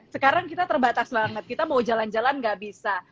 sekarang kita terbatas banget kita mau jalan jalan gak bisa